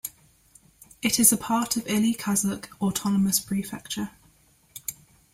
It is a part of Ili Kazakh Autonomous Prefecture.